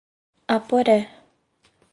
Aporé